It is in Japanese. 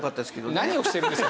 何をしてるんですか？